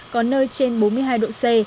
có nơi trên bốn mươi hai độ c